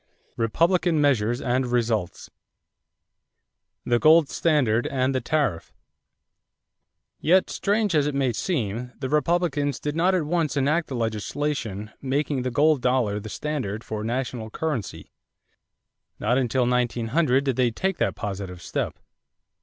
REPUBLICAN MEASURES AND RESULTS =The Gold Standard and the Tariff.= Yet strange as it may seem, the Republicans did not at once enact legislation making the gold dollar the standard for the national currency. Not until 1900 did they take that positive step.